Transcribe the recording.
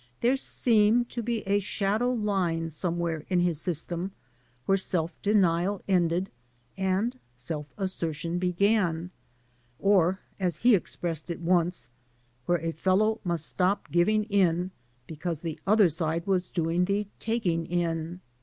There seemed to be a shadow line somewhere in his system where self denial ended and self assertion began, or, as he expressed it once, where a fellow must stop giving in because the other side was doing the taking in.